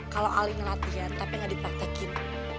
kalau alina latihan tapi gak dipraktekin